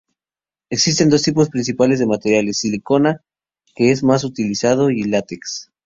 Existen dos tipos principales de materiales: silicona, que es el más utilizado y Latex.